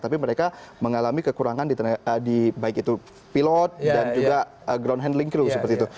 tapi mereka mengalami kekurangan di baik itu pilot dan juga ground handling crew seperti itu